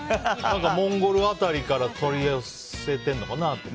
モンゴル辺りから取り寄せてるのかなと。